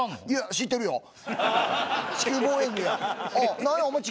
いや知ってるよ。